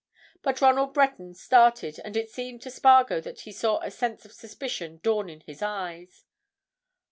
But Ronald Breton started, and it seemed to Spargo that he saw a sense of suspicion dawn in his eyes.